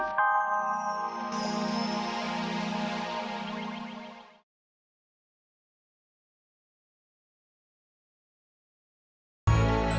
jangan kemana ya